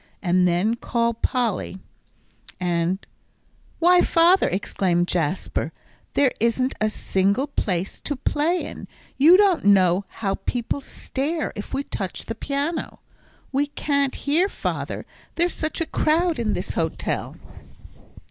And then call Polly, and " "Why, father," exclaimed Jasper, "there isn't a single place to play in. You don't know how people stare if we touch the piano. We can't here, father; there's such a crowd in this hotel."